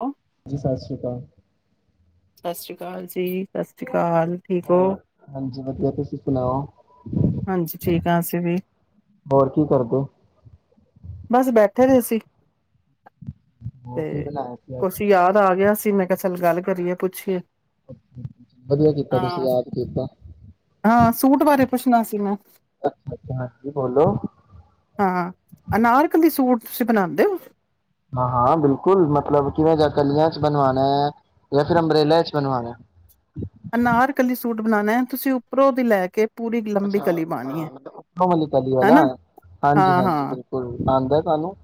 ਔ ਜੀ ਸਤਿ ਸ਼੍ਰੀ ਅਕਾਲ ਸਤਿ ਸ੍ਰੀ ਅਕਾਲ ਜੀ ਸਤਿ ਸ਼੍ਰੀ ਅਕਾਲ ਸਾਰੇ ਠੀਕ ਹੋ ਹੋਰ ਹਾਂਜੀ ਵਧੀਆ ਤੁਸੀਂ ਸੁਣਾਓ ਹਾਂਜੀ ਠੀਕ ਆ ਅਸੀਂ ਵੀ ਹੋਰ ਕੀ ਕਰਦੇ? ਬਸ ਬੈਠੇ ਰਹੇ ਸੀ ਹੋਰ ਕੀ ਤੇ ਬਣਾਇਆ ਸੀ ਕੁਛ ਅੱਜ ਯਾਦ ਆ ਗਿਆ ਸੀ ਜੀ ਮੈਂ ਕੇਹਾ ਚੱਲ ਗੱਲ ਕਰੀਏ ਪੁੱਛੀਏ ਵਧੀਆ ਕੀਤਾ ਤੁਸੀਂ ਹਾਂ। ਯਾਦ ਕੀਤਾ ਹਾਂ, ਸੂਟ ਬਾਰੇ ਪੁੱਛਣਾ ਸੀ ਮੈਂ, ਅੱਛਾ ਅੱਛਾ ਹਾਂਜੀ ਬੋਲੋ ਅਰੇ ਕਦੀ ਸੂਟ ਤੁਸੀਂ ਬਣਾਉਦੇ ਹੋ ਹਾਂ ਹਾਂ ਬਿਲਕੁਲ ਮਤਲਬ ਕਿਵੇਂ ਜਾਂ ਕਲੀਆਂ ਚ ਬਣਵਾਉਣਾ ਹੈ ਜਾਂ ਫਿਰ ਅੰਬਰੇਲ ਚ ਬਣਵਾਉਣਾ ਅਨਾਰਕਲੀ ਸੂਟ ਬਣਾਉਣਾ ਹੈ ਤੁਸੀਂ ਉੱਪਰੋਂ ਵੀ ਲੈ ਕੇ ਪੂਰੀ ਲੰਬੀ ਅੱਛਾ ਕਲੀ ਪਾਣੀ ਹੈ, ਮਤਲਬ ਉਪਰੋ ਵਾਲੀ ਕਲੀ ਵਾਲਾ ਹਨਾ? ਹਾਂਜੀ ਹਾਂ ਹਾਂਜੀ ਹਾਂ, ਬਿਲਕੁਲ, ਆਂਦਾ ਸਾਨੂੰ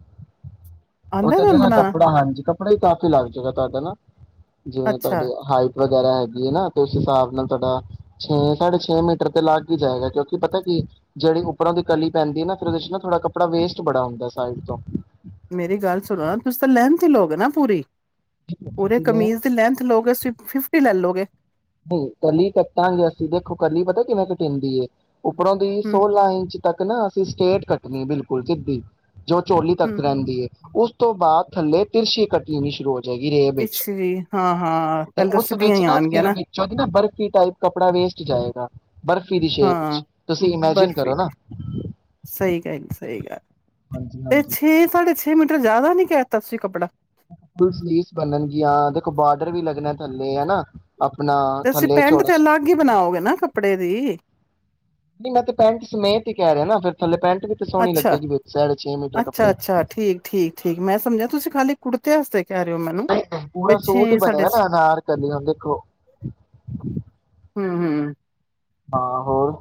ਆਉਂਦਾ ਉਹਥੇ ਤੇ ਤੁਹਾਨੂੰ ਨਾ ਬਣਾਉਣਾ? ਕੱਪੜਾ ਹਾਂਜੀ ਕੱਪ ਕੱਪੜਾ ਹੀ ਕਾਫ਼ੀ ਲੱਗ ਜੁਗਾ, ਤੁਹਾਡਾ ਨਾ ਜਿਵੇਂ ਅੱਛਾ, ਤੁਹਾਡੇ ਹਾਈ ਪਰ ਵਗੈਰਾ ਹੈਗੀ ਹੈ ਨਾ ਤੇ ਉਸ ਹਿਸਾਬ ਨਾਲ ਤੁਹਾਡਾ ਛੇ ਸਾਢੇ ਛੇ ਮੀਟਰ ਤੇ ਲੱਗ ਜਾਏਗਾ ਕਿਉਂਕਿ ਪਤਾ ਕਿ ਜਿਹੜੀ ਉੱਪਰੋਂ ਦੀ ਕਲੀ ਪੈਂਦੀ ਹੈ ਨਾ ਫਿਰ ਉਹਦੇ ਨਾ ਥੋੜਾ ਕੱਪੜਾ ਵੇਸਟ ਬੜਾ ਹੁੰਦਾ ਸਾਈਡ ਤੋਂ ਮੇਰੀ ਗੱਲ ਸੁਣੋ ਨਾ ਤੁਸੀਂ ਤਾਂ ਲੈਂਨਥ ਹੀ ਲੋਗੇ ਨਾ ਪੂਰੀ ਪੂਰੇ ਅਸੀਂ ਲੈ ਕਮੀਜ਼ ਦੀ ਲੈਂਥ ਲਓਗੇਂ ਫਿਫਟੀ ਲੈ ਲਓ ਵੇ ਨਹੀਂ ਕਲੀ ਕਟਾਂਗੇ ਅਸੀਂ ਦੇਖੋ ਕਲੀ ਪਤਾ ਕਿਵੇਂ ਕਟਿੰਗ ਹੁੰਦੀ ਏ ਉੱਪਰੋਂ ਦੀ ਹਮ, ਸੋਲਾਂ ਇੰਚ ਤੱਕ ਨਾ ਅਸੀਂ ਸਟੇਟ ਕੱਟਣੀ ਬਿਲਕੁਲ ਸਿੱਧੀ ਜੋ ਚੋਲੀ ਤੱਕ ਹਮ, ਰਹਿੰਦੀ ਹੈ ਉਸ ਤੋਂ ਬਾਅਦ ਥੱਲੇ ਤਿਰਸ਼ੀ ਕਟਣੀ ਸ਼ੁਰੂ ਹੋ ਜਾਏਗੀ ਰੇਬ ਵਿੱਚ ਪਿੱਛ ਵੀ ਹਾਂ ਹਾਂ ਤੇ ਪਹਿਲੇ ਤਾਂ ਉਸ ਸਿੱਧੀਆਂ ਵਿੱਚ ਹੀ ਆਣਗੀਆਂ ਫਿਰ ਨਾ ਵਿੱਚੋਂ ਨਾ ਬਰਫ਼ੀ ਟਾਈਪ ਕੱਪੜਾ ਵੇਸਟ ਜਾਏਗਾ ਬਰਫੀ ਦੀ ਸ਼ੇਪ ਹਾਂ ਚ ਤੁਸੀਂ ਇਮੇਜਿਨ ਬਰਫ਼ੀ ਕਰੋ ਨਾ ਦੀ ਸਹੀ ਗੱਲ ਸਹੀ ਗੱਲ ਹਾਂਜੀ ਤੇ ਹਾਂਜੀ ਛੇ ਸਾਢੇ ਛੇ ਛੇ ਮੀਟਰ ਜ਼ਿਆਦਾ ਨੀ ਕਹਿ ਤਾ ਤੁਸੀ ਕੱਪੜਾ ਫੁਲ ਸਲੀਵ ਬਣਨਗੀਆਂ ਦੇਖੋ ਬਾਰਡਰ ਵੀ ਲੱਗਣਾ ਥੱਲੇ ਹਨਾ ਤੇ ਅਸੀਂ ਪੈਂਟ ਤੇ ਅਲੱਗ ਹੀ ਬਣਾਓਗੇ ਨਾ ਕੱਪੜੇ ਦੀ ਨਹੀਂ ਮੈਂ ਤੇ ਪੈਂਟ ਸਮੇਤ ਹੀ ਕਹਿ ਰਿਹਾ ਨਾ ਫੇਰ ਥੱਲੇ ਪੈਂਟ ਵੀ ਤੇ ਸੋਹਣੀ ਅੱਛਾ ਲੱਗੇਗੀ ਵਿੱਚ ਸਾਢੇ ਮੀਟਰ ਅੱਛਾ ਕੱਪੜੇ ਚ ਅੱਛਾ ਠੀਕ ਠੀਕ ਠੀਕ ਮੈਂ ਸਮਝਿਆ ਤੁਸੀਂ ਖਾਲੀ ਕੁੜਤੇ ਅਸਤੇ ਪੂਰਾ ਸੋਟ ਹੀ ਬਣੇਗਾ ਛੇ ਨਾ ਅਨਾਰ ਕਲੀ ਨਾ ਦੇਖੋ ਹੂੰ ਹੂੰ ਹਾਂ ਹੋਰ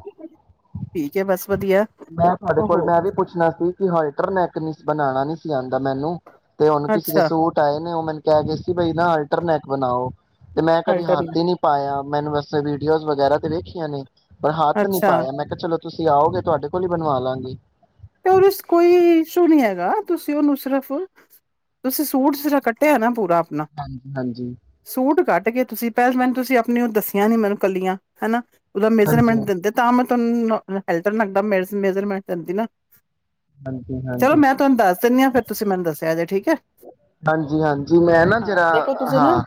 ਠੀਕ ਏ ਬਸ ਵਧੀਆ ਮੈਂ ਤੁਹਾਡੇ ਕੋਲ ਓਹੋ ਮੈਂ ਵੀ ਪੁੱਛਣਾ ਸੀ ਹੋਲਟਰ ਨੈਕ ਨ ਬਣਾਨਾ ਨੀ ਸੀ ਆਂਦਾ ਮੈਨੂੰ ਤੇ ਹੁਣ ਕਿਸ ਦੇ ਅੱਛਾ ਸੂਟ ਆਏ ਨੇ ਉਹ ਮੈਨੂੰ [unintelligible] ਬਈ ਨਾ ਅਲਟਰਨੈਕ ਬਣਾਓ ਤੇ ਮੈਂ ਕਦੀ ਹੱਥ ਅਲਟਰਨੇਟ ਹੀ ਨਹੀਂ ਪਾਇਆ ਮੈਨੂੰ ਵੈਸੇ ਵੀਡੀਓਜ਼ ਵਗੈਰਾ ਤੇ ਦੇਖੀਆਂ ਨੇ ਪਰ ਹੱਥ ਨਹੀਂ ਅੱਛਾ ਪਾਇਆ ਮੈਂ ਕਿਹਾ ਚਲੋ ਤੁਸੀਂ ਆਓਗੇ ਤੁਹਾਡੇ ਕੋਲੋ ਬਣਵਾ ਲਾਂਗੇ ਤੇ ਉਹਦੇ ਕੋਈ ਇਸ਼ੂ ਨੀ ਹੈਗਾ ਤੁਸੀਂ ਉਹਨੂੰ ਸਿਰਫ ਤੁਸੀਂ ਸੂਟ ਜਿਸ ਤਰ੍ਹਾਂ ਕੱਟਿਆ ਨਾ ਪੂਰਾ ਹਾਂਜੀ ਹਾਂਜੀ ਮੈ ਕਿਹਾ ਤੁਸੀਂ ਪਹਿਲ ਮੈਨੂੰ ਤੁਸੀਂ ਆਪਣੀਆਂ ਦੱਸਿਆ ਨੀ ਮੈਨੂੰ ਕੱਲੀਆਂ ਹਨਾ ਉਹਦਾ ਹਾਂਜੀ ਮੇਜਰਮੈਂਟ ਦਿੰਦੇ ਤਾਂ ਮੈਂ [unintelligible] ਮੇਜ਼ਰਮੈਂਟ ਜਾਂਦੀ ਨਾ। ਹਾਂਜੀ ਚਲੋ ਹਾਂਜੀ ਮੈਂ ਤੁਹਾਨੂੰ ਦੱਸ ਦਿੰਦੀ ਆਂ ਫੇਰ ਤੁਸੀਂ ਮੈਨੂੰ ਦੱਸਿਆ ਜੇ ਠੀਕ। [unintelligible] ਹਾਂਜੀ ਹਾਂਜੀ ਮੈਂ ਨਾ ਹਾਂ ਜਰਾ ਦੇਖੋ ਤੁਸੀਂ ਨਾ, ਹਾਂ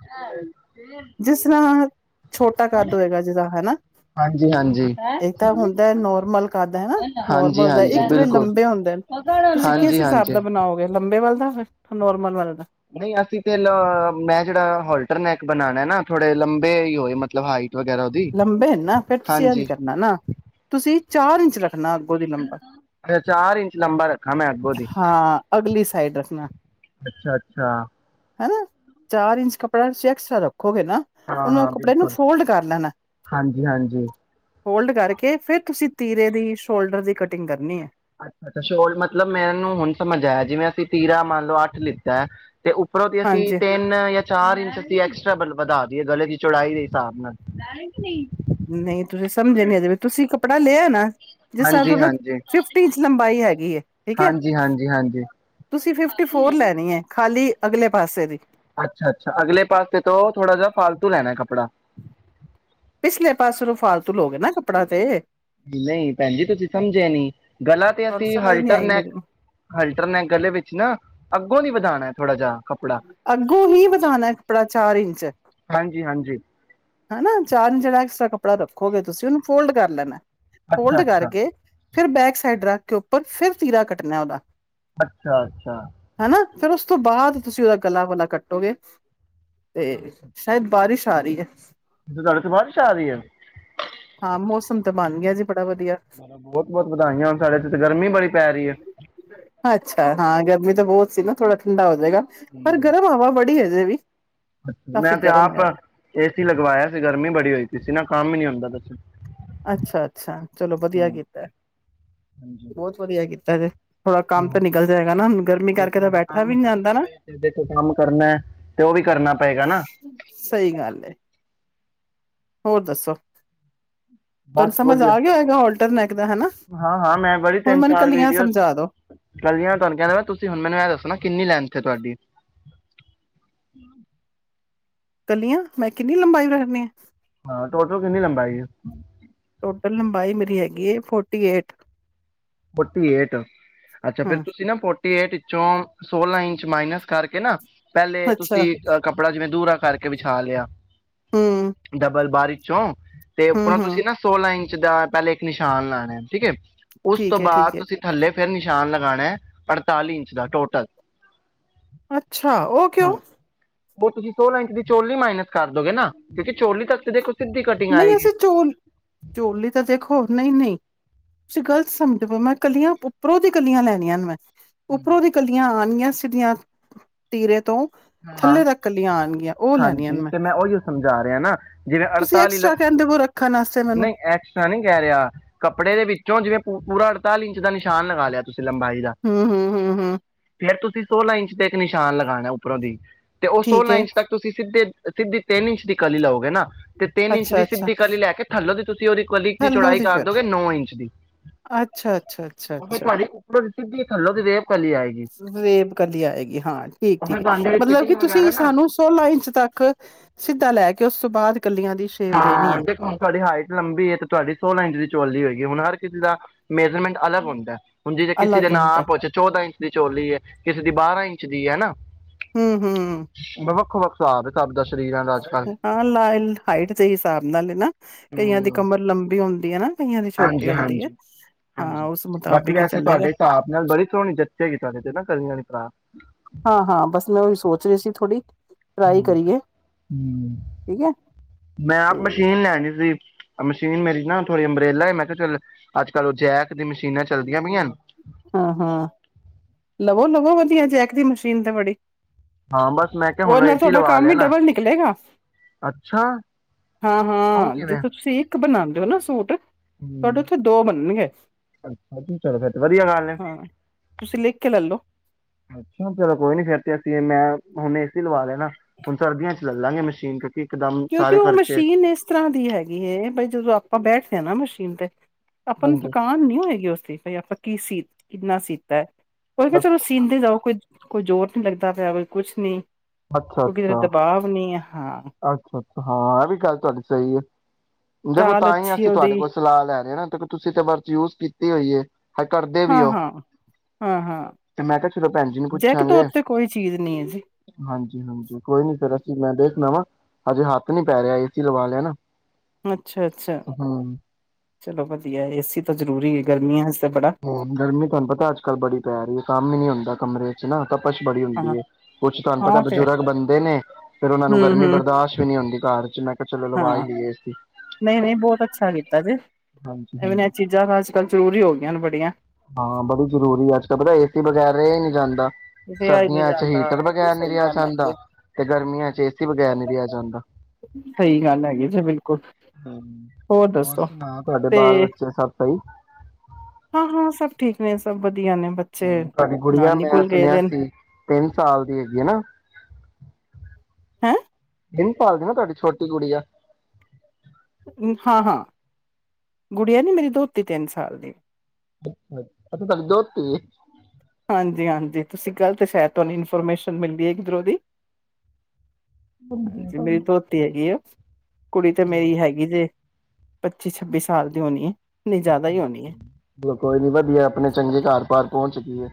ਜਿਸ ਤਰ੍ਹਾਂ ਛੋਟਾ ਕੱਦ ਹੋਏਗਾ ਜਿਦਾ ਹਨਾ, ਹਾਂਜੀ ਹਾਂਜੀ। ਇੱਕ ਤਾਂ ਹੁੰਦਾ ਨੋਰਮਲ ਕੱਦ ਹੈਨਾ, ਨੋਰਮਲ ਹਾਂਜੀ ਹੁੰਦਾ ਇੱਕ ਹਾਂਜੀ ਥੋੜੇ ਬਿਲਕੁਲ ਲੰਬੇ ਹੁੰਦੇ ਨ ਤੁਸੀਂ ਕਿਸ ਹਾਂਜੀ ਹਿਸਾਬ ਹਾਂਜੀ। ਦਾ ਬਨਾਓਗੇ ਲੰਬੇ ਵੱਲ [unintelligible] ਨੋਰਮਲ ਵਾਲੇ ਦਾ। ਨਹੀਂ ਅਸੀਂ ਤੇਲ ਮੈਂ ਜਿਹੜਾ ਹੋਲਟਰਨੈਕ ਬਣਾਉਣਾ ਨਾ ਥੋੜੇ ਲੰਬੇ ਹੀ ਹੋਏ ਮਤਲਬ ਹਾਈਟ। ਵਗੈਰਾ ਉਹਦੀ ਲੰਬੇ ਹਨ ਨਾ ਫੇਰ ਤੁਸੀਂ ਇੰਝ ਹਾਂਜੀ ਕਰਨਾ ਨਾ ਤੁਸੀਂ ਚਾਰ ਇੰਚ ਰੱਖ ਅੱਛਾ ਚਾਰ ਇੰਚ ਲੰਬਾ ਰੱਖਾ ਮੈਂ ਅੱਗੋਂ ਦੀ, ਹਾਂ ਅਗਲੀ ਸਾਈਡ ਰੱਖਣਾ ਅੱਛਾ-ਅੱਛਾ। ਹਨਾ, ਚਾਰ ਇੰਚ ਕਪੜਾ ਤੂਸੀ ਐਕਸਟਰਾ ਰੱਖੋ। ਰਖੋਗੇ ਨਾ, ਉਹਨੂੰ ਉਹ ਕੱਪੜੇ ਨੂੰ ਫੋਲਡ ਕਰ ਲੈਨਾ ਐ। ਹਾਂਜੀ-ਹਾਂਜੀ। ਫੋਲਫ ਕਰਕੇ ਫੇਰ ਤੁਸੀਂ ਤੀਰੇ ਦੀ, ਸ਼ੋਲਡਰ ਦੀ ਕਟਿੰਗ ਕਰਨੀ ਐ। ਅੱਛਾਾ ਸ਼ੋਲ ਮਤਲਬ ਮੈਨੂੰ ਹੁਨ ਸਮਝ ਆਇਆ ਜਿਵੇਂ ਅਸੀਂ ਤੀਰਾ ਮੰਨ ਲਓ ਅੱਠ ਲਿਤਾ ਐ। ਤੇ ਉਪਰੋਂ ਦੀ ਅਸੀਂ ਹਾਂਜੀ ਤਿੰਨ ਯਾ ਚਾਰ ਇੰਚ ਅਸੀਂ ਐਕਸਟਰਾ ਵਧਾ ਦੀਏ ਗਲੇ ਦੀ ਚੌੜਾਈ ਦੇ ਹਿਸਾਬ ਨਾਲ। ਨਹੀਂ, ਤੁਸੀਂ ਸਮਝੇ ਨੀ ਅਜੇ ਵੀ ਤੁਸੀਂ ਕੱਪੜਾ ਲਿਆ ਨਾ ਜਿਸ ਤਰ੍ਹਾਂ ਹਾਂਜੀ ਤੁਹਾਡਾ ਹਾਂਜੀ ਫਿਫਟੀ ਇੰਚ ਲੰਬਾਈ ਹੈਗੀ ਐ, ਠੀਕ ਐ ਹਾਂਜੀ ਹਾਂਜੀ ਹਾਂਜੀ ਤੁਸੀਂ ਫਿਫਟੀ ਫੋਰ ਲੈਣੀ ਐ ਖਾਲੀ ਅਗਲੇ ਪਾਸੇ ਦੀ। ਅੱਛਾ-ਅੱਛਾ ਅਗਲੇ ਪਾਸੇ ਤੋਂ ਥੋੜਾ ਜਿਹਾ ਫਾਲਤੂ ਲੈਣਾ ਕੱਪੜਾ। ਪਿਛਲੇ ਪਾਸੇ ਨੂੰ ਫਾਲਤੂ ਲੋ ਗੇ ਨਾ ਕੱਪੜਾ ਤੇ। ਨਹੀਂ ਭੈਣ ਜੀ ਤੁਸੀਂ ਸਮਝੇ ਨੀ, ਗਲਾ ਤੇ ਤੁਹਾਨੂੰ ਅਸੀਂ ਸਮਝ ਨੀ ਆਈ ਹਲਟਰਨੈਕ ਮੇਰੀ ਹਲਟਰਨੈਕ, ਗਲੇ ਵਿੱਚ ਨਾ ਅੱਗੋਂ ਦੀ ਵਧਾਣਾ ਐ ਥੋੜ੍ਹਾ ਜਾ। ਅੱਗੋਂ ਹੀ ਵਧਾਣਾ ਐ ਆਪੜਾ ਚਾਰ ਇੰਚ। ਹਾਂਜੀ ਹਾਂਜੀ ਹਨਾ ਚਾਰ ਜਿਹੜਾ ਐਕਸਟਰਾ ਕੱਪੜਾ ਰੱਖੋਗੇ ਤੁਸੀਂ ਉਹਨੂੰ ਫੋਲਡ ਕਰ ਲੈਨਾ ਐ। ਅੱਛਾ ਫੋਲਡ ਅੱਛਾ ਕਰਕੇ ਫਿਰ ਬੈਕ ਸਾਈਡ ਰੱਖ ਕੇ ਉੱਪਰ, ਫਿਰ ਤੀਰਾ ਕੱਟਣਾ ਐ ਉਹਦਾ। ਅੱਛਾ-ਅੱਛਾ। ਹਨਾ ਫਿਰ ਉਸ ਤੋਂ ਬਾਅਦ ਤੁਸੀਂ ਉਹਦਾ ਗਲਾ ਵਲਾ ਕੱਟੋਗੇ। ਤੇ ਸ਼ਾਇਦ ਬਾਰਿਸ਼ [unintelligible] ਐ। ਅ ਤਾਡੇ ਓਥੇ ਬਾਰਿਸ਼ ਆ ਰਈ ਐ। ਹਾਂ ਮੌਸਮ ਤਾਂ ਬਣ ਗਿਆ ਜੇ। ਆਹ ਤਾਂ ਬਹੁਤ ਬਹੁਤ ਵਧਾਈਆਂ ਹੋਣ, ਸਾਡੇ ਇਥੇ ਤੇ ਗਰਮੀ ਬੜੀ ਪੈ ਰਹੀ ਐ। ਅ ਹਾਂ ਗਰਮੀ ਤਾਂ ਬਹੁਤ ਸੀ ਨਾ, ਥੋੜਾ ਠੰਡਾ ਹੋ ਜੇਗਾ। ਪਰ ਹੂੰ। ਗਰਮ ਹਵਾ ਬੜੀ ਐ। ਤੇ ਵੀ ਕਾਫ਼ੀ ਮੈਂ ਤੇ ਗਰਮ ਆਪ ਹੈ ਉਹ। ਏ ਸੀ ਲਗਵਾਇਆ ਸੀ ਗਰਮੀ ਬੜੀ ਹੋਈ ਤੀ ਸੀ ਨਾ ਕੰਮ ਹੀ ਨੀ ਹੁੰਦਾ ਦਸ ਛ ਅੱਛਾ ਅੱਛਾ, ਚਲੋ ਵਧੀਆ ਕੀਤਾ ਏਹ। ਬਹੁਤ ਵਧੀਆ ਕੀਤ ਤਦੇ। ਹਾਂ, ਕਰਕੇ ਦੇਖੋ ਤਾਂ ਬੈਠਾ ਕੰਮ ਵੀ ਨੀ ਕਰਨਾ ਜਾਂਦਾ ਨਾ ਵੇ, ਤੇ ਦੇਖੋ ਕੰਮ ਕਰਨਾ ਐ, ਤੇ ਉਹ ਵੀ ਕਰਨਾ ਪਏਗਾ ਨਾ। ਸਹੀ ਗੱਲ ਹੈ ਹੋਰ ਦੱਸੋ। ਤੁਹਾਨੂੰ ਬਸ ਸਮਝ ਵਧੀਆ। ਆ ਗਿਆ ਹੋਏਗਾ ਹੋਲਟਰ ਨੈਕ ਦਾ ਹਨਾ ਹਾਂ ਹਾਂ, ਮੈਂ ਬੜੀ ਹੁਣ ਤਿੰਨ ਮੈਨੂੰ ਚਾਰ ਕਲੀਆਂ ਵੀਡੀਓਜ਼, ਸਮਝਾ ਦੋ ਕਰਲੀਆਂ ਤੁਹਾਨੂੰ ਕਹਿ ਦਿਆ ਤੁਸੀਂ ਹੁਣ ਮੈਨੂੰ ਇਹ ਦੱਸਣਾ ਕਿੰਨੀ ਲੈਣ ਥੇ ਤੁਹਾਡੀ। ਕੱਲੀਆਂ, ਮੈਂ ਕਿੰਨੀ ਲੰਬਾਈ ਕਰਨੀਆ? ਹਾਂ ਟੋਟਲ ਕਿੰਨੀ ਲੰਬਾਈ ਆ? ਏ ਹੈਗੀ ਏ ਫੋਰਟੀ ਏਟ। Forty eight. ਅੱਛਾ ਫੇਰ ਹੂੰ ਤੁਸੀਂ ਨਾ ਫੌ ਟੀ ਏਟ ਚੋਂ ਸੋਲਾਂ ਇੰਚ ਮਾਈਨਸ ਕਰਕੇ ਨਾ ਪਹਿਲੇ ਅੱਛਾ ਤੁਸੀਂ ਅਹ ਕੱਪੜਾ ਜਿਵੇਂ ਦੂਰ ਰਖ ਕਰਕੇ ਵਿਛਾ ਲਿਆ। ਹੂੰ ਡਬਲ ਬਾਰੀ ਚੌ ਤੇ ਹੂੰ ਉੱਪਰੋਂ ਹੂੰ ਤੁਸੀਂ ਨਾ, ਸੋਲਾਂ ਇੰਚ ਜਿਦਾਂ ਪਹਿਲੇ ਇੱਕ ਨਿਸ਼ਾਨ ਲਾਣਾ ਏ, ਠੀਕ ਏ। ਉਸ ਤੋਂ ਠੀਕ ਹੈ ਬਾਅਦ, ਠੀਕ ਹੈ ਤੁਸੀਂ ਥੱਲੇ ਫਿਰ ਨਿਸ਼ਾਨ ਲਗਾਣਾ ਐ, ਅੜਤਾਲੀ ਇੰਚ ਦਾ ਟੋਟਲ। ਅੱਛਾ, ਉਹ ਕਿਉਂ? ਵੋ ਤੁਸੀਂ ਸੋਲਾਂ ਇੰਚ ਦੀ ਚੋਲੀ ਮਾਈਨਸ ਕਰ ਦੋਗੇ ਨਾ, ਕਿਉਂਕਿ ਚੋਲੀ ਤੱਕ ਤੇ ਦੇਖੋ ਸਿੱਧੀ ਕਟਿੰਗ ਨਹੀਂ ਆਏਗੀ ਅਸੀਂ ਚੋਲ, ਚੋਲੀ ਤਾਂ ਦੇਖੋ, ਨਹੀਂ ਨਹੀਂ। ਤੁਸੀਂ ਗ਼ਲਤ ਸਮਝਦੇ ਪਏ, ਮੈਂ ਕਲੀਆਂ ਉੱਪਰੋਂ ਦੀ ਕਲੀਆਂ ਲੈਣੀਆਂ ਨੇ ਮੈਂ। ਹਮ, ਉੱਪਰੋਂ ਦੀ ਕਲੀਆਂ ਆ ਈਆਂ ਸਿੱਧੀਆਂ ਤੀਰੇ ਤੋਂ ਹਾਂ ਥੱਲੇ ਤੱਕ ਕਲੀਆਂ ਆਣਗੀਆਂ ਉਹ ਲੈਣੀਆਂ ਹਾਂਜੀ ਨੇ ਤੇ ਮੈਂ ਉਹੀ ਸਮਝਾ ਰਿਹਾ ਨਾ ਜਿਵੇਂ ਤੁਸੀਂ ਅ ਐਕਸਟਰਾ ਕਹਿੰਦੇ ਪਏ ਰੱਖਣ ਆਸਤੇ ਮੈਨੂੰ ਨਹੀਂ ਐਕਸਟਰਾ ਨਹੀਂ ਕਹਿ ਰਿਹਾ ਕੱਪੜੇ ਦੇ ਵਿੱਚੋਂ ਜਿ ਪੂਰਾ ਅੜਤਾਲੀ ਇੰਚ ਦਾ ਨਿਸ਼ਾਨ ਲਗਾ ਲਿਆ ਤੁਸੀਂ ਲੰਬਾਈ ਦਾ ਹੂੰ ਹੂੰ ਹੂੰ ਹੂੰ ਫੇਰ ਤੁਸੀਂ ਸੋਲਾਂ ਇੰਚ ਤੇ ਇੱਕ ਨਿਸ਼ਾਨ ਲਗਾਉਣਾ। ਉੱਪਰੋਂ ਦੀ ਤੇ ਉਹ ਠੀਕ ਸੋਲਾਂ ਹੈ ਇੰਚ ਤੱਕ ਤੁਸੀਂ ਸਿੱਧੇ ਸਿੱਧੀ ਤਿੰਨ ਇੰਚ ਦੀ ਕਲੀ ਲਓਗੇ ਨਾ ਤੇ ਤਿੰਨ ਇੰਚ ਅੱਛਾ ਅੱਛਾ ਸਿੱਧੀ ਕਲੀ ਲੈ ਕੇ ਥੱਲੋਂ ਤੁਸੀਂ ਉਹਦੀ ਕੁਲੀਕ ਦੀ ਥੱਲੋਂ ਚੌੜਾਈ ਕਰ ਫਿਰ ਦੋਗੇ ਨੌ ਇੰਚ ਦੀ ਅੱਛਾ ਅੱਛਾ ਅੱਛਾ ਉਹ ਤੁਹਾਡੇ ਉਪਰੋ ਸਿਧੀ ਕਰ ਲੋ ਰੇ ਸੇਬ ਕਦੀ ਆਏਗੀ ਹਾਂ ਠੀਕ। ਠੀਕ ਮਤਲਬ ਕਿ ਤੁਸੀਂ ਸਾਨੂੰ ਸੋਲਾਂ ਇੰਚ ਤੱਕ ਸਿੱਧਾ ਲੈ ਕੇ ਕਿ ਉਸ ਤੋਂ ਬਾਅਦ ਕਲੀਆਂ ਦੀ ਸ਼ੇਪ ਦੇਣੀ ਹੈ ਹਾਂ ਦੇਖੁਣ ਤੁਹਾਡੀ ਹਾਈਟ ਲੰਬੀ ਹੈ ਤੇ ਤੁਹਾਡੀ ਸੋਲਾਂ ਇੰਚ ਦੀ ਚੋਲੀ ਹੋਏਗੀ ਹੁਣ ਹਰ ਸੀਲ ਦਾ ਮੇਜਰਮੈਂਟ ਅਲੱਗ ਹੁੰਦਾ ਹੈ ਹੁਣ ਜਿਹੇ ਕਿਸੇ ਦੇ ਅਲੱਗ ਨਾਂ ਹੁੰਦਾ ਪੁਛ ਚੌਦਾਂ ਇੰਚ ਦੀ ਚੋਲੀ ਹੈ ਕਿਸੇ ਦੀ ਬਾਰਾਂ ਇੰ ਇੰਚ ਦੀ ਹੈ ਨਾ ਹੂੰ-ਹੂੰ [unintelligible] ਕੱਲ [unintelligible] ਹਾਈਟ ਦੇ ਹਿਸਾਬ ਨਾਲ ਏ ਨਾ। ਕਈਆਂ ਦੀ ਹਮ ਕਮਰ ਲੰਬੀ ਹੁੰਦ [unintelligible] ਹਾਂਜੀ -ਹਾਂਜੀ -ਹਾਂਜੀ ਉਸ ਬਾਕੀ ਮੁਤਾਬਿਕ ਹੀ ਵੈਸੇ ਚੱਲੇਗਾ ਤੁਹਾਡੇ ਹਿਸਾਬ ਨਾਲ ਬੜੀ ਸੋਹਣੀ ਜਚੇਗੀ ਤੁਹਾਡੇ ਤੇ ਨਾ ਕਲੀਆਂ ਵਾਲੀ ਫਰਾਕ। [inaudible] ਹਾਂ ਹਾਂ ਬਸ ਮੈਂ ਉਹੀ ਸੋਚ ਰਹੀ ਸੀ ਥੋੜ੍ਹੀ ਟਰਾਈ ਹਮ ਕਰੀਏ ਹਮ ਠੀਕ ਹੈ। ਮੈਂ ਆਪ ਤੇ ਮਸ਼ੀਨ ਲੈਣੀ ਸੀ। ਮਸ਼ੀਨ ਮੇਰੀ ਨਾ ਥੋੜ੍ਹੀ ਅੰਬਰੇਲਾ ਮੈਂ ਕਿਹਾ ਚੱਲ ਅੱਜ ਕੱਲ੍ਹ ਉਹ ਜੈਕ ਦੀਆਂ ਮਸ਼ੀਨਾਂ ਚੱਲਦੀਆਂ ਪਈਆਂ ਨੇ। ਹਾਂ -ਹਾਂ ਲਵੋ- ਲਵੋ ਵਧੀਆ ਜੈਕ ਦੀ ਮਸ਼ੀਨ ਤੇ ਬੜੀ ਹਾਂ ਬਸ ਮੈਂ ਕਿਹਾ ਹੁਣ ਉਹਦੇ ਨਾਲ ਏਸੀ ਤੁਹਾਡਾ ਲਵਾ ਕੰਮ ਲਿਆ ਹੀ ਨਾ ਡਬਲ ਨਿਕਲੇਗਾ ਅੱਛਾ ਹਾਂ- ਉਹ ਹਾਂ ਜ ਕਿਵੇਂ ਤੁਸੀਂ ਕਿ ਬਣਾਉਂਦੇ ਹੋ ਨਾ ਸੂਟ ਤੁਹਾਡੇ ਹੂੰ ਉੱਥੇ ਦੋ ਬਣਨਗੇ ਅੱਛਾ ਚਲੋ ਫਿਰ ਵਧੀਆ, ਹਾਂ ਤੁਸੀਂ ਲਿਖ ਕੇ ਲੈਲੋ ਅੱਛਾ, ਚਲੋ ਕੋਈ ਨੀ ਫੇਰ ਤੇ ਅਸੀਂ ਮੈਂ, ਹੁਣ ਏਸੀ ਲਵਾ ਲੈਣਾ ਹੁਣ ਸਰਦੀਆਂ ਚ ਲੈਲਾਗੇ ਮਸ਼ੀਨ ਕਿਉਂਕਿ, ਇੱਕਦਮ ਕਿਉਂਕਿ ਸਾਰੇ ਉਹ ਖਰਚੇ ਮਸ਼ੀਨ ਇਸ ਤਰ੍ਹਾਂ ਦੀ ਹੈਗੀ ਹੈ, ਵੀ ਜਦੋਂ ਆਪਾਂ ਬੈਠ ਹੈ ਨਾ ਮਸ਼ੀਨ ਤੇ, ਆਪਾਂ ਨੂੰ ਹਾਂਜੀ ਥਕਾਨ ਨਹੀਂ ਹੋਏਗੀ, ਉਸ ਚੀਜ ਤੇ ਆਪਾਂ ਕੀ ਸੀ ਕਿੰਨਾ ਸੀਤਾ, ਓ ਨਾ ਚਲੋ ਅੱਛਾ ਸ਼ੀਨਦੇ ਜਾਓ ਕੋਈ, ਕੋਈ ਜ਼ੋਰ ਨੀ ਲੱਗਦਾ ਪਿਆ ਕੋ ਕੁਛ ਨੀ, ਅੱਛਾ ਕਿਉਕ ਤੇਰੇ ਅੱਛਾ ਦਬਾਅ ਨੀ ਆ ਹਾਂ। ਅੱਛਾ ਹਾਂ ਇਹ ਵੀ ਗੱਲ ਤੁਹਾਡੀ ਸਹੀ ਹੈ। ਦੇਖੋ, ਚਾਲ ਤਾਂ ਹੀ ਅੱਛੀ ਅਸੀਂ ਤੁਹਾਡੇ ਉਹਦੀ ਕੋਲ ਸਲਾਹ ਲੈ ਰਹੇ ਹਾ ਨਾ, ਤੁਸੀਂ ਤਾਂ ਵਰਤ ਯੂਜ ਕੀਤੀ ਹੋਈ ਹੈ। ਹਜੇ ਕਰਦੇ ਵੀ ਉਹ ਹਾਂ-ਹਾਂ ਹਾਂ-ਹਾਂ ਤੇ ਮੈਂ ਕਿਹਾ। ਚਲੋ ਭੈਣ ਜੀ ਨੂੰ ਜੈਕ ਤੋਂ ਪੁੱਛਾਂਗੇ ਉੱਤੇ ਕੋਈ ਚੀਜ਼ ਨਹੀਂ ਹੈ ਜੀ, ਹਾਂਜੀ, ਹਾਂਜੀ ਕੋਈ ਨੀ ਫਿਰ ਅਸੀਂ ਮੈਂ ਦੇਖ ਵਾ ਹਜੇ ਹੱਥ ਨੀ ਪੈ ਰਿਹਾ ਏਸੀ ਲਵਾ ਲਿਆ ਨਾ, ਅੱਛਾ-ਅੱਛਾ, ਹੂੰ ਚਲੋ, ਵਧੀਆ ਏਸੀ ਤਾਂ ਜ਼ਰੂਰੀ ਹੈ ਗਰਮੀਆਂ ਚ ਤਾਂ ਬੜਾ ਹੂੰ, ਗਰਮੀ ਤੁਹਾਨੂੰ ਪਤਾ ਅੱਜ ਕੱਲ ਬੜੀ ਪੈ ਰਹੀ ਹੈ ਕੰਮ ਹੀ ਨੀ ਹੁੰਦ ਕਮਰੇ ਵਿੱਚ ਨਾ, ਤਪਸ਼ ਬੜੀ ਹਾਂ ਹੁੰਦੀ ਹੈ, ਕੁਛ ਤੁਹਾਨੂੰ ਹਾਂ ਪਤਾ ਉਹ ਤੇ ਹੈ ਬਜ਼ੁਰਗ ਬੰਦੇ ਨੇ ਫੇਰ ਉਹਨਾਂ ਨੂੰ ਹੂੰ ਗਰਮੀ ਹੂੰ ਬਰਦਾਸ਼ਤ ਵੀ ਨਹੀਂ ਹੁੰਦੀ ਘਰ ਚ ਮੈਂ ਕਿਹਾ ਚਲੋ ਲਵਾ ਹੀ ਹਾਂ ਲਈਏ ਏਸੀ। ਨਹੀਂ ਨਹੀਂ ਬਹੁਤ ਅੱਛਾ ਕੀਤਾ ਜੇ ਐਵੇਂ ਇਹ ਹਾਂਜੀ-ਹਾਂਜੀ ਚੀਜ਼ਾਂ ਤਾਂ ਅੱਜ ਕੱਲ੍ਹ ਜ਼ਰੂਰੀ ਹੋ ਗਈਆਂ ਨੇ ਬੜੀਆਂ ਹਾਂ ਬੜੀ ਜ਼ਰੂਰੀ ਅੱਜ ਕੱਲ ਪਤਾ ਏਸੀ ਦਾ, ਪਿਆਰੇ ਨਿਸ਼ਾਨ ਦਾ, ਰਿਹਾ ਈ ਨੀ ਜਾਦਾ ਬਿਲਕੁਲ ਸਹੀ ਰਿਹਾ ਗੱਲ ਹੈਗੀ ਜਾਂਦਾ ਆ, ਤੇ ਗਰਮੀਆਂ ਚ ਏਸੀ ਬਗੈਰ ਨਹੀਂ ਰਿਹਾ ਜਾਂਦਾ ਸਹੀ ਗੱਲ ਹੈਗੀ ਜੇ ਬਿਲਕੁਲ ਹਮ ਹੋਰ ਦੱਸੋ। ਸੁਣਾ ਤੁਹਾਡੇ ਬਾਲ ਬੱਚੇ ਸਭ, ਨਹੀਂ, ਹਾਂ-ਹਾਂ ਸਭ ਠੀਕ ਨੇ ਸਭ ਵਧੀ ਸਾਡੀ ਗੁੜੀਆਂ ਮੈਂ ਗਏ ਸੁਣਿਆ ਦੇ ਨੇ ਸੀ ਤਿੰਨ ਸਾਲ ਦੀ ਹੈਗੀ ਹੈ ਨਾ, ਹੈਂ ਪਾਲਦੀ ਨਾ ਤੁਹਾਡੀ ਛੋਟੀ ਗੁੜੀਆ, ਹਾਂ-ਹਾਂ ਗੁੜੀਆਂ ਨੀ ਮੇਰੀ ਦੋਤਰੀ ਤਿੰਨ ਸਾਲ ਦੀ ਐ। ਅੱਛਾ ਸੋਡੀ ਦੋਤੀ, ਹਾਂਜੀ ਹਾਂਜੀ ਤੁਸੀਂ ਗੱਲਤ ਸ਼ਾਇਦ ਤੁਹਾਨੂੰ ਇਨਫੋਰਮੇਸ਼ਨ ਮਿਲਦੀ ਇਧਰੋਂ ਦੀ, ਹਾਂਜੀ ਮੇਰੀ ਧੋਤੀ ਹੈਗੀ ਆ ਕੁੜੀ ਤੇ ਮੇਰੀ ਉਹ ਹੈਗੀ ਜੇ ਪੱਚੀ ਛੱਬੀ ਸਾਲ ਦੀ ਹੋਣੀ ਏ ਚਲੋ ਕੋਈ ਨੀ ਵਧੀਆ ਆਪਣੇ ਚੰਗੇ ਘਰ ਪਾਰ ਪਹੁੰਚਗੀ ਏ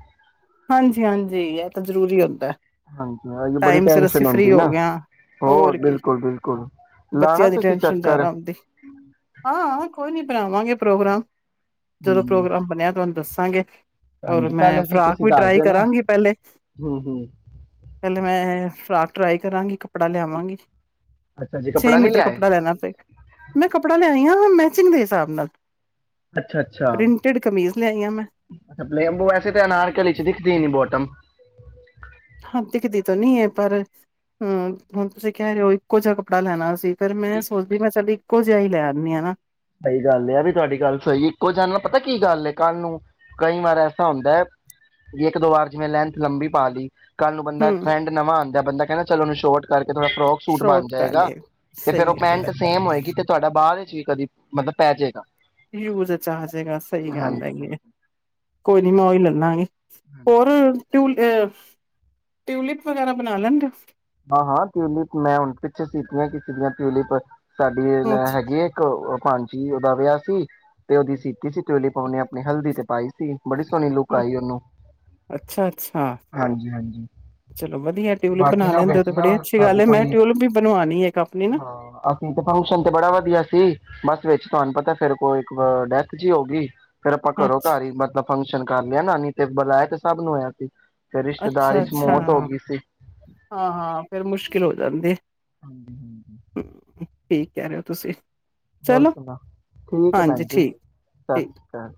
ਹਾਂਜੀ ਹਾਂਜੀ ਇਹ ਤਾਂ ਜ਼ਰੂਰੀ ਹੁੰਦਾ ਏ ਹਾਂਜੀ ਹ ਬੜੀ ਟੈਸ਼ਨ ਹੁੰਦੀ ਨਾ ਗਏ ਆਂ। ਹੋਰ ਕੀ ਬਿਲਕੁਲ ਬਿਲਕੁਲ ਲਾਣਾ ਬੱਚਿਆਂ ਦੀ ਤੁਸੀ ਟੈਨਸ਼ਨ ਚੱਕਰ ਜ਼ਿਆਦਾ ਹੁੰਦੀ ਹਾਂ ਕੋਈ ਨੀ ਬਣਾਵਾਂਗੇ ਪ੍ਰੋਗਰਾਮ ਚਲੋ ਹਮ, ਪ੍ਰੋਗਰਾਮ ਬਣਿਆ ਤੁਹਾਨੂੰ ਦੱਸਾ ਸਾਂਗੇ ਹਾਂਜੀ ਪਹਿਲੇ ਤਾਂ ਤੁਸੀ ਕੋਈ ਟਰਾਈ ਕਰਾਂਗੀ ਪਹਿਲੇ ਪਹਿਲੇ ਮੈਂ ਫਰਾਕ ਟਰਾਈ ਕਰਾਂਗੀ ਕੱਪੜਾ ਲਿਆਵਾਂਗੀ ਅੱਛਾ ਜੀ ਛੇ ਕੱਪੜਾ ਨਹੀਂ ਮੀਟਰ ਲਿਆਏ ਕੱਪੜਾ ਲੈਣਾ ਫਿਰ ਮੈਂ ਕੱਪੜਾ ਲਿਆਣਾ ਮੈਚਿੰਗ ਦੇ ਹਿਸਾਬ ਨਾਲ ਅੱਛਾ ਅੱਛਾ ਪ੍ਰਿੰਟਡ ਕਮੀਜ਼ ਲਿਆਈ ਹਾਂ ਮੈਂ ਅੱਛਾ ਪਲੇ ਵੈਸੇ ਤੇ ਅਨਾਰ ਕਲੀ ਸਖਦੀਨੀ ਬੋਟਮ ਹਾਂ ਦਿਖਦੀ ਤਾਂ ਨੀ ਹੈ ਪਰ ਹੂੰ ਹੁਣ ਤੁਸੀਂ ਕਹਿ ਰਹੇ ਹੋ ਇੱਕੋ ਜਿਹਾ ਕੱਪੜਾ ਲੈਣਾ ਸੀ ਫਿਰ ਮੈਂ ਸੋਚਦੀ ਮੈਂ ਚੱਲੀ ਇਕੋ ਜਿਹਾ ਹੀ ਲੈ ਆਣੀ ਆ ਸਹੀ ਗੱਲ ਏਹ ਵੀ ਤੁਹਾਡੀ ਗੱਲ ਸਹੀ ਇੱਕੋ ਜਣ ਨਾਲ ਪਤਾ ਕੀ ਗੱਲ ਕੱਲ ਨੂੰ ਕਈ ਵਾਰ ਐਸਾ ਹੁੰਦਾ ਹੈ ਵੀ ਇੱਕ ਦੋ ਵਾਰ ਜਿਵੇਂ ਲੈਂਥ ਲੰਬੀ ਪਾ ਲਈ ਕੱਲ੍ਹ ਨੂੰ ਬੰਦਾ ਹਮ ਫਰੈਂਡ ਨਵਾਂ ਆਂਦਾ ਬੰਦਾ ਕਹਿੰਦਾ ਚਲੋ ਮੈਂ ਸ਼ੋਟ ਕਰ ਜਦੋ ਏਹ ਫਰੋਕ ਸੂਟ ਬਣ ਸ਼ੋਟ ਕਰ ਜਾਏਗਾ ਲਏ ਤੇ ਫੇਰ ਸਹੀ ਉਹ ਗੱਲ ਹੈ ਪੈਂਟ ਸੇਮ ਹੋਏਗੀ ਤੇ ਤੁਹਾਡਾ ਬਾਹਰ ਠੀਕ ਆ ਜੀ ਮਤਲਬ ਪੈ ਜੇਗਾ ਯੂਜ ਚ ਆ ਜੇਗਾ ਸਹੀ ਗੱਲ ਹਾਂਜੀ ਹੈਗੀ ਹਾਂਜੀ ਕੋਈ ਨੀ ਮੈਂ ਉਹੀ ਲੈ ਲਾਗੀ ਹਾਂਜੀ ਹੋਰ ਆ ਟਿਊਲਿਪ ਵਗੈਰਾ ਬਣਾ ਲੈਂਣਦੇ ਹੋ ਹਾਂ ਹਾਂ ਟਿਊਲਿਪ ਮੈਂ ਹੁਣ ਪਿੱਛੇ ਸੀਤੀਆਂ ਕਿਸੇ ਦੀਆਂ ਟਿਊਲਿਪ ਸਾਡੀ ਲੈਣ ਅੱਛਾ, ਹੈਗੀ ਹੈ ਇੱਕ ਹਾਂ ਜੀ ਉਹਦਾ ਵਿਆਹ ਸੀ ਤੇ ਉਹਦੀ ਸੀਤੀ ਸੀ ਚੋਲੇ ਪਾਉਣੇ ਆਪਣੇ ਹਲਦੀ ਤੇ ਪਾਈ ਸੀ ਬੜੀ ਸੋਹਣੀ ਲੁੱਕ ਆਈ ਉਹਨੂੰ ਅੱਛਾ, ਅੱਛਾ। ਹਾਂਜੀ ਹਾਂਜੀ ਚਲੋ ਵਧੀਆ ਟਿਊਲਿਪ ਬਾਕੀ-' ਬਣਾ ਕਿਨਾ ਲੈਂਦੇ ਹੋ ਤੇ ਵੇਚਣਾ ਬੜੀ ਅੱਛੀ ਗੱਲ ਸਾਡੇ ਏ ਮੈਂ ਕੋਈ, ਟਿਊਲਿਪ ਵੀ ਬਣਵਾਣੀ ਏ ਇੱਕ ਆਪਣੀ ਨਾ। ਹਾਂ ਅਸੀਂ ਤੇ ਫੰਕਸ਼ਨ ਤੇ ਬੜਾ ਵਧੀਆ ਸੀ ਬਸ ਵਿੱਚ ਤੁਹਾਨੂੰ ਪਤਾ ਫੇਰ ਕੋਈ ਇੱਕ ਡੈਥ ਜੀ ਹੋਗੀ। ਫੇਰ ਆਪਾਂ ਘਰੋਂ ਅੱਛਾ, ਘਰ ਹੀ ਮਤਲਬ ਫੰਕਸ਼ਨ ਕਰ ਲਿਆ ਨਾ ਨੀ ਤੇ ਬੁਲਾਇਆ ਤੇ ਸਭ ਨੂੰ ਹੋਇਆ ਸੀ। ਫੇਰ ਰਿਸ਼ਤੇਦਾਰੀ ਅੱਛਾ, ਚ ਅੱਛਾ ਮੌਤ ਹੋ ਗਈ ਸੀ। ਹਾਂ ਹਾਂ ਫੇਰ ਮੁਸ਼ਕਿਲ ਹੋ ਜਾਂਦੀ। ਹਾਂਜੀ-ਹਾਂਜੀ। ਠਿਕ ਕਹਿ ਰਹੇ ਹੋ ਤੁਸੀਂ। ਹੋਰ ਚਲੋ ਸੁਣਾ, ਠੀਕ ਹੈ ਹਾਂਜੀ ਭੈਣ ਜੀ, ਠੀਕ, ਠੀਕ। ਸਤਿ ਸ਼੍ਰੀ ਅਕਾਲ।